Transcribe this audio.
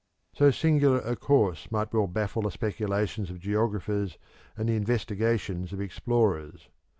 So singular a course might well baffle the speculations of geographers and the investigations of explorers.